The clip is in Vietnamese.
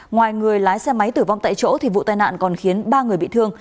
ngoài người lái xe máy tử vong tại chỗ vụ tai nạn còn khiến ba người bị thương